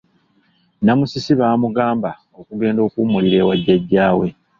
Namusisi baamugamba okugenda okuwummulira ewa jjajjaawe.